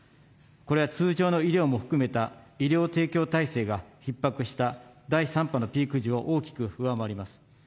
これは通常の医療も含めた医療提供体制がひっ迫した第３波のピーク時を大きく上回ります。